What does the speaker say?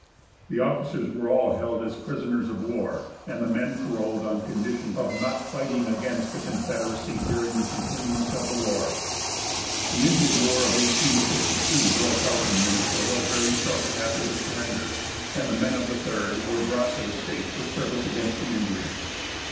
The officers were all held as prisoners of war, and the men paroled on condition of not fighting against the Confederacy during the continuance of the war. The Indian war of 1862 broke out in Minnesota very shortly after the surrender, and the men of the Third were brought to the state for service against the Indians.